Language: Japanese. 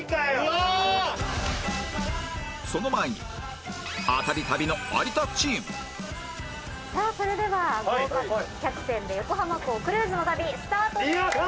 その前にアタリ旅の有田チームさあそれでは豪華客船で横浜港クルーズの旅スタートです！